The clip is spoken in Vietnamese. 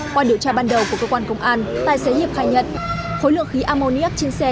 qua điều tra ban đầu của cơ quan công an tài xế nhiệm khai nhận khối lượng khí ammoniac trên xe